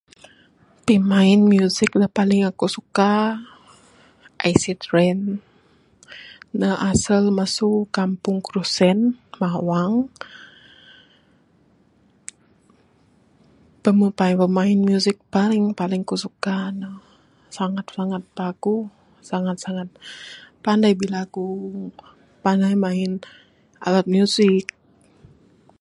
Pimain music da paling aku suka acid rain. Ne asal masu kampung krusen mawang. Pemain music paling paling ku suka ne. Sangat sangat paguh, sangat sangat panai bilagu, panai main alat music.